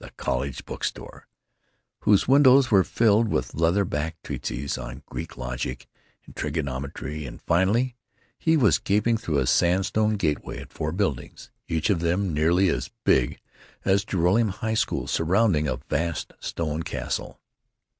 —the "College Book Store," whose windows were filled with leather backed treatises on Greek, logic, and trigonometry; and, finally, he was gaping through a sandstone gateway at four buildings, each of them nearly as big as the Joralemon High School, surrounding a vast stone castle.